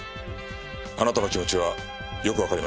あなたの気持ちはよくわかりました。